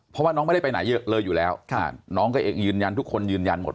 เพราะว่าน้องไม่ได้ไปไหนเยอะเลยอยู่แล้วน้องก็เองยืนยันทุกคนยืนยันหมด